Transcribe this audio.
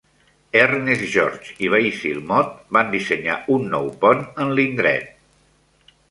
Ernest George i Basil Mott van dissenyar un nou pont en l'indret.